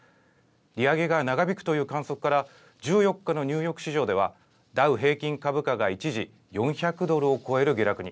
利上げが長引くという観測から、１４日のニューヨーク市場では、ダウ平均株価が一時４００ドルを超える下落に。